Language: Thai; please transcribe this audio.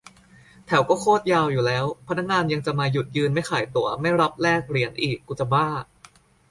แถวก็โคตรยาวอยู่แล้ว พนักงานยังจะมาหยุดยืนไม่ขายตั๋ว-ไม่รับแลกเหรียญอีก กูจะบ้า